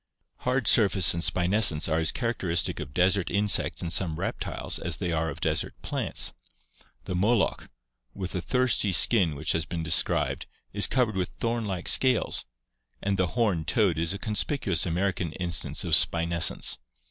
Hard surface and spinescence are as characteristic of desert in sects and some reptiles as they are of desert plants. The moloch (Fig. 98) with the thirsty skin which has been described is covered with thom like scales, and the horned toad is a conspicuous Amer ican instance of spinescence.